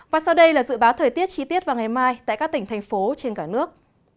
và sau đây là dự báo thời tiết chi tiết vào ngày mai tại các tỉnh thành phố trên cả nước